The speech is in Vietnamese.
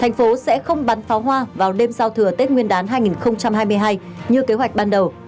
thành phố sẽ không bắn pháo hoa vào đêm giao thừa tết nguyên đán hai nghìn hai mươi hai như kế hoạch ban đầu